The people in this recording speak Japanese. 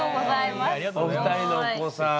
お二人のお子さん。